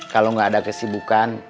kalau nggak ada kesibukan